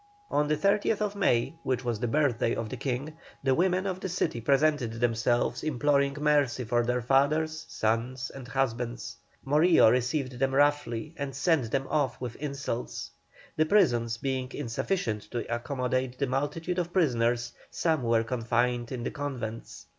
On the 30th May, which was the birthday of the King, the women of the city presented themselves, imploring mercy for their fathers, sons, and husbands. Morillo received them roughly and sent them off with insults. The prisons being insufficient to accommodate the multitude of prisoners, some were confined in the convents.